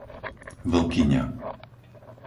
Vlkyňa